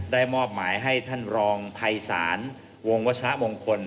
มอบหมายให้ท่านรองภัยศาลวงวัชรมงคล